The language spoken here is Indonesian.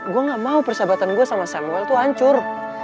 gue gak mau persahabatan gue sama samuel tuh hancur